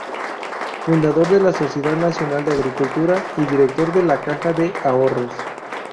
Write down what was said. Fundador de la Sociedad Nacional de Agricultura y director de la Caja de Ahorros.